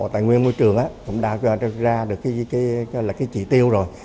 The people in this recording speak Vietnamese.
tài nguyên môi trường cũng đã ra được cái chỉ tiêu rồi